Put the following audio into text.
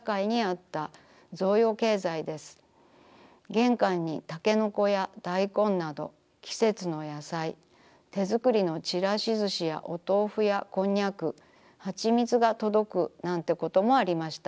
玄関にたけのこや大根など季節の野菜手作りのちらし寿司やおとうふやこんにゃくはちみつが届くなんてこともありました。